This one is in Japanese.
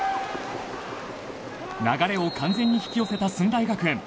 流れを完全に引き寄せた駿台学園。